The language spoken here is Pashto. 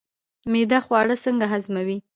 معده خواړه څنګه هضموي